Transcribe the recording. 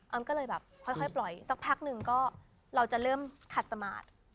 ก็เลยแบบค่อยปล่อยสักพักหนึ่งก็เราจะเริ่มขัดสมาธิ